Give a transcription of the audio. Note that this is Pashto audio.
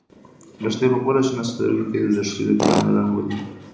لښتې په خپلو شنه سترګو کې د دښتې د ګلانو رنګ ولید.